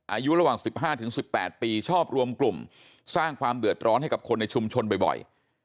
อายุระหว่าง๑๕๑๘ปีชอบรวมกลุ่มสร้างความเดือดร้อนให้กับคนในชุมชนบ่อย